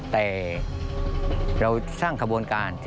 แต่เราสร้างขบวนการ